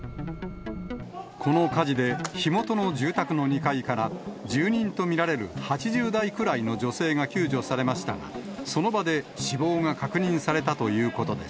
この火事で火元の住宅の２階から、住人と見られる８０代くらいの女性が救助されましたが、その場で死亡が確認されたということです。